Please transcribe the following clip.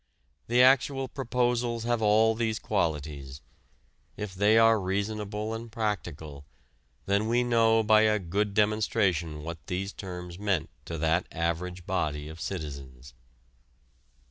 The actual proposals have all these qualities: if they are "reasonable and practical" then we know by a good demonstration what these terms meant to that average body of citizens.